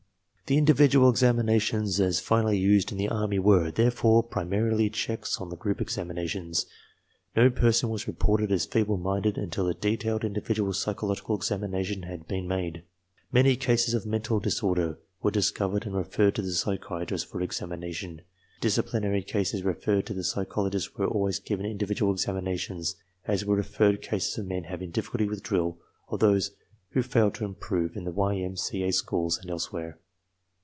The individual examinations as finally used in the Army were, therefore, primarily checks on the group examinations. No person was reported as feeble minded until a detailed individual I psychological examination had been made. Many cases of mental disorder were discovered and referred to the psychiatrists for examination. Disciplinary cases referred to the psychol ogists were always given individual examinations, as were re ferred eases of men having difficulty with drill or those who failed to improve in the Y. M. C. A. schools and elsewhere.